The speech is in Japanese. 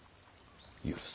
許せ。